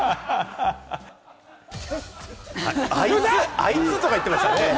「あいつ」とか言ってましたよね。